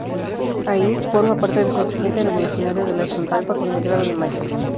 Ahí, forma parte del contingente revolucionario de la Chontalpa con el grado de "Mayor".